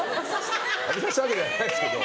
浴びさしたわけじゃないですけど。